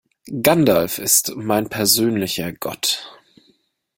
Gandalf ist mein persönlicher Gott.